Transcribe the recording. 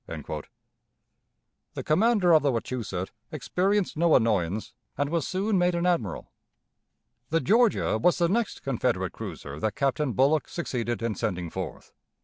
The commander of the Wachusett experienced no annoyance, and was soon made an admiral. The Georgia was the next Confederate cruiser that Captain Bullock succeeded in sending forth.